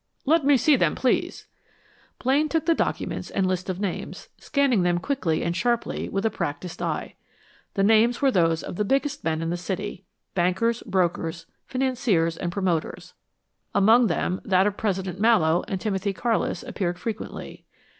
"Let me see them, please." Blaine took the documents and list of names, scanning them quickly and sharply with a practised eye. The names were those of the biggest men in the city bankers, brokers, financiers and promoters. Among them, that of President Mallowe and Timothy Carlis appeared frequently.